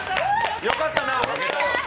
よかったな。